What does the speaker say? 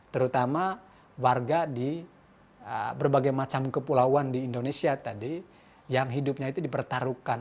terutama warga di berbagai macam kepulauan di indonesia tadi yang hidupnya itu dipertaruhkan